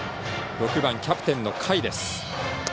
６番キャプテンの甲斐。